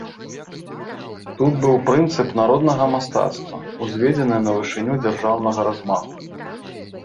Тут быў прынцып народнага мастацтва, узведзены на вышыню дзяржаўнага размаху.